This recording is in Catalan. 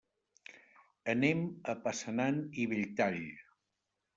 Anem a Passanant i Belltall.